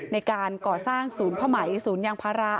ในการก่อสร้างศูนย์ภรรมไหมศูนย์ยางพระอภัยภรรยา